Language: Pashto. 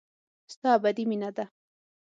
ستا ابدي مينه ده.